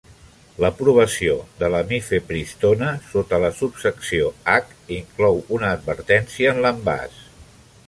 L'aprovació de la mifepristona sota la subsecció H inclou una advertència en l'envàs.